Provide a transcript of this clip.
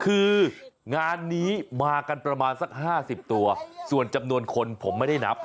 คืองานนี้มากันประมาณสัก๕๐ตัวส่วนจำนวนคนผมไม่ได้นับ